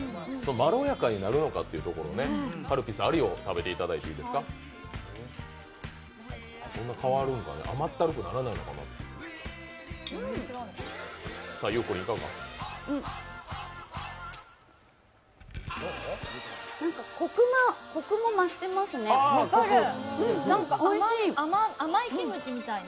まろやかになるのかというところをね、カルピスありを食べていただいていいですか。ホンマ変わるんかな、甘ったるくならないんかな。